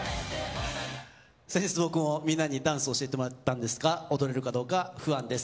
先日、僕もみんなにダンスを教えてもらったんですが踊れるかどうか不安です。